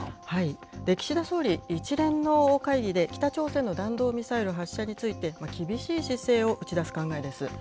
岸田総理、一連の会議で北朝鮮の弾道ミサイル発射について、厳しい姿勢を打ち出す考えです。